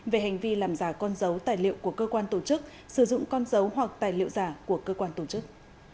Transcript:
về hành vi làm giả con dấu tài liệu của cơ quan tổ chức sử dụng con dấu hoặc tài liệu giả của cơ quan tổ chức